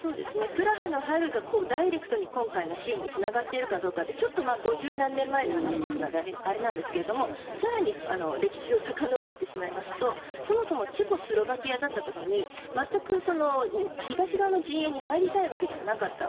プラハの春がダイレクトに今回の支援につながっているかどうかはちょっと５０何年前の話なのであれなんですが更に歴史をさかのぼってしまいますとそもそもチェコスロバキアだった時に全く東側の陣営に入りたいわけではなかった。